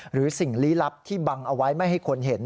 สิ่งลี้ลับที่บังเอาไว้ไม่ให้คนเห็น